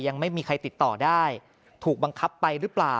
ยังไม่มีใครติดต่อได้ถูกบังคับไปหรือเปล่า